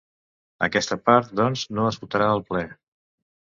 Aquesta part, doncs, no es votarà al ple.